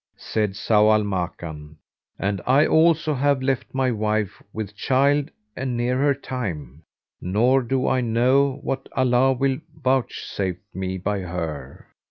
Said Zau al Makan, "And I also have left my wife with child and near her time, nor do I know what Allah will vouchsafe me by her.